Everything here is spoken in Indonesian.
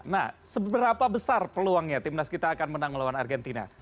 nah seberapa besar peluangnya timnas kita akan menang melawan argentina